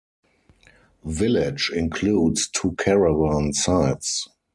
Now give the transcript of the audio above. Village includes two caravan sites.